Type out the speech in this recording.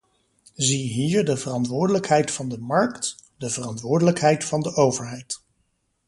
Zie hier de verantwoordelijkheid van de markt, de verantwoordelijkheid van de overheid.